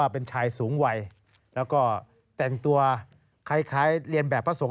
เป็นชายสูงวัยแล้วก็แต่งตัวคล้ายเรียนแบบพระสงฆ